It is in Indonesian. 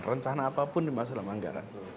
rencana apapun dimaksud dalam anggaran